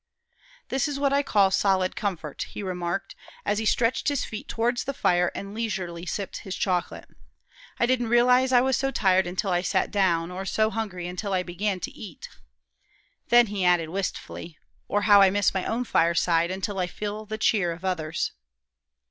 "This is what I call solid comfort," he remarked, as he stretched his feet towards the fire and leisurely sipped his chocolate. "I didn't realize I was so tired until I sat down, or so hungry until I began to eat." Then he added, wistfully, "Or how I miss my own fireside until I feel the cheer of others'."